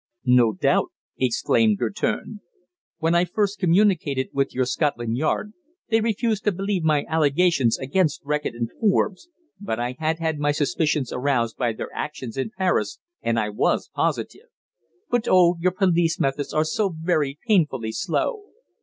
"No doubt," exclaimed Guertin. "When I first communicated with your Scotland Yard, they refused to believe my allegations against Reckitt and Forbes. But I had had my suspicions aroused by their actions in Paris, and I was positive. But oh! your police methods are so very painfully slow!"